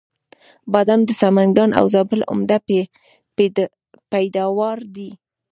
بادام د سمنګان او زابل عمده پیداوار دی.